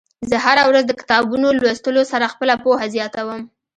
زه هره ورځ د کتابونو لوستلو سره خپله پوهه زياتوم.